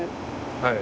はい。